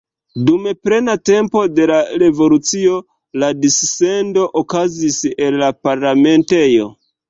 Dum plena tempo de la revolucio la dissendo okazis el la parlamentejo.